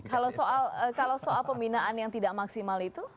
kalau soal pembinaan yang tidak maksimal itu